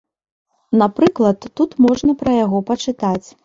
Напрыклад, тут можна пра яго пачытаць.